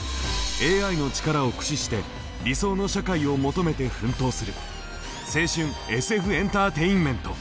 ＡＩの力を駆使して理想の社会を求めて奮闘する青春ＳＦエンターテインメント！